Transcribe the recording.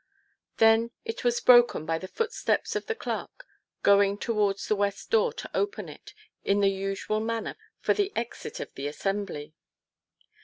Then it was broken by the footsteps of the clerk going towards the west door to open it in the usual manner for the exit of the assembly.